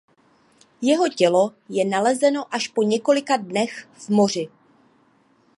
Jeho tělo je nalezeno až po několika dnech v moři.